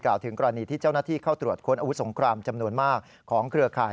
ถึงกรณีที่เจ้าหน้าที่เข้าตรวจค้นอาวุธสงครามจำนวนมากของเครือข่าย